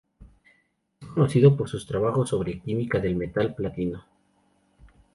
Es conocido por sus trabajos sobre la química del metal platino.